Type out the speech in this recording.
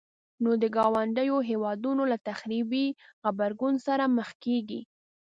نو د ګاونډيو هيوادونو له تخريبي غبرګون سره مخ کيږي.